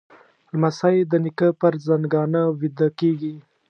لمسی د نیکه پر زنګانه ویده کېږي.